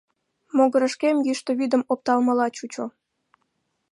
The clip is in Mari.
Могырышкем йӱштӧ вӱдым опталмыла чучо.